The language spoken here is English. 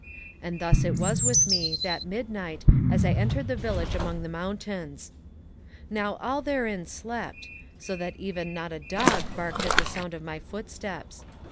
And thus it was with me that midnight as I entered the village among the mountains. Now all therein slept, so even that not a dog barked at the sound of my footsteps.